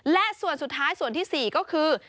และส่วนสุดท้ายส่วนที่๔ก็คือ